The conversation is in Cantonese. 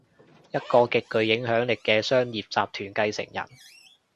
一個極具影響力嘅商業集團繼承人